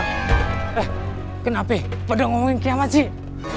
eh kenapa pada ngomongin kiamat sih